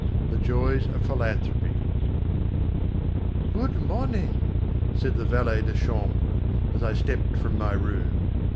The Joys of Philanthropy_ "GOOD MORNING," said the valet de chambre, as I stepped from my room.